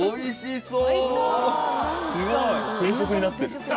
すごい！